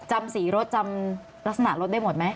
จำสีรถจำลักษณะรถได้หมดไหม